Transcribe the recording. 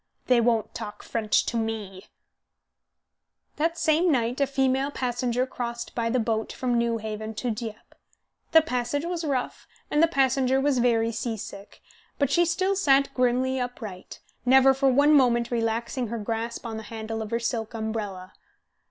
"They won't talk French to me!" That same night a female passenger crossed by the boat from Newhaven to Dieppe. The passage was rough, and the passenger was very seasick; but she still sat grimly upright, never for one moment relaxing her grasp on the handle of her silk umbrella.